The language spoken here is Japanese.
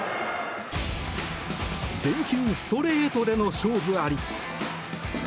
全球ストレートでの勝負あり。